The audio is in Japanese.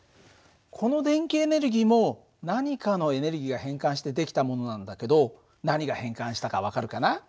この電気エネルギーも何かのエネルギーが変換して出来たものなんだけど何が変換したか分かるかな？